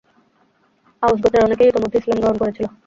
আউস গোত্রের অনেকেই ইতোমধ্যে ইসলাম গ্রহণ করেছিল।